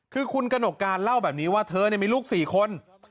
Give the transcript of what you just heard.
คือคุณกนกกาลเล่าแบบนี้ว่าเธอเนี่ยมีลูก๔คน